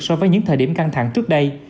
so với những thời điểm căng thẳng trước đây